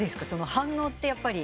反応ってやっぱり。